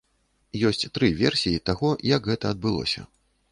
Ёсць тры версіі таго, як гэта адбылося.